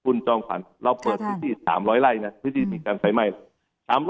คุณจองขวัญเราเปิดที่ที่๓๐๐ไร่นะที่ที่มีการใส่ไหม้